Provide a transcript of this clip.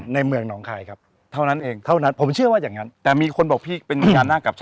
ในเมืองหนองไข่ครับ